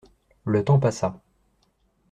Le temps passa.